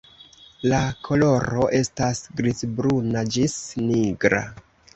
La koloro estas grizbruna ĝis nigra.